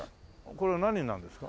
これは何になるんですか？